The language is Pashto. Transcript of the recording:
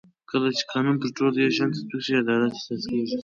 کله چې قانون پر ټولو یو شان تطبیق شي عدالت احساس کېږي